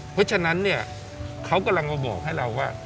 เพราะฉะนั้นเขากำลังจะบอกให้เราว่า